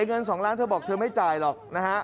เงิน๒ล้านเธอบอกว่าเธอไม่จ่ายหรอก